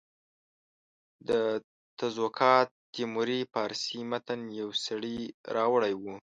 د تزوکات تیموري فارسي متن یو سړي راوړی وو.